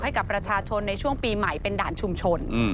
ให้กับประชาชนในช่วงปีใหม่เป็นด่านชุมชน